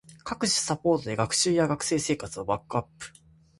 各種サポートで学習や学生生活をバックアップ